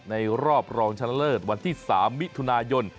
รอบรองชนะเลิศวันที่๓มิถุนายน